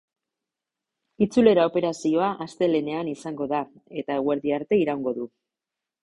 Itzulera operazioa astelehenean izango da, eta eguerdia arte iraungo du.